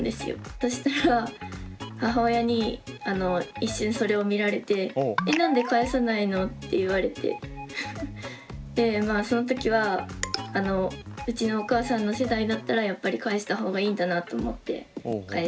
そしたら母親に一瞬それを見られて「なんで返さないの？」って言われてでまあその時はうちのお母さんの世代だったらやっぱり返したほうがいいんだなと思って返しました。